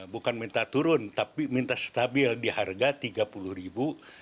bukan minta turun tapi minta stabil di harga tiga puluh ribu